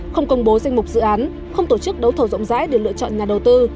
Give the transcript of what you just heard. không công bố danh mục dự án không tổ chức đấu thầu rộng rãi để lựa chọn nhà đầu tư